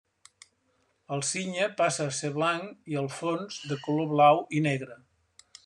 El cigne passa a ser blanc i el fons de color blau i negre.